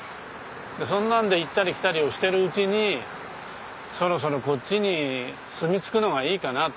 そんなんで行ったり来たりをしてるうちにそろそろこっちに住みつくのがいいかなと。